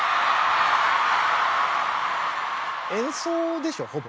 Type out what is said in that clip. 演奏でしょほぼ。